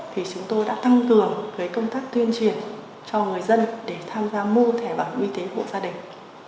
thì chúng tôi đã tăng cường công tác tuyên truyền cho người dân để tham gia mua thẻ bảo hiểm y tế hộ gia đình